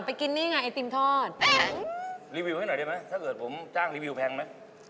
ผมจ้างรีวิวแพงไหมไม่แพงค่ะ